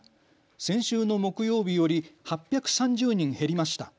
先週の木曜日より８３０人減りました。